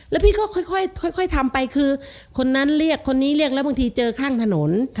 แล้วพี่ก็ค่อยทำไปคือคนนั้นเรียกคนนี้เรียกแล้วบางทีเจอข้างถนน